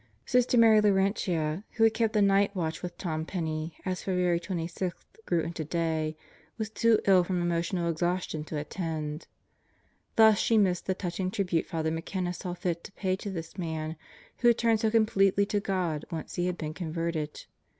Sister Mary Laurentia, who had kept the night watch with Tom Penney as February 26 grew into day, was too ill from emotional exhaustion, to attend. Thus she missed the touching tribute Father McKenna saw fit to pay to this man who had turned so completely to God once he had been converted.